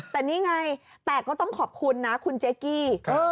แต่นี่ไงแต่ก็ต้องขอบคุณนะคุณเจ๊กกี้